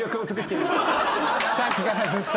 さっきからずっと。